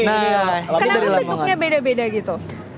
kenapa bentuknya beda beda gitu